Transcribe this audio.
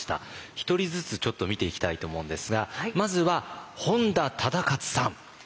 １人ずつちょっと見ていきたいと思うんですがまずは本多忠勝さん。